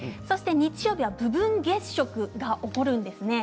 日曜日は部分月食が起こります。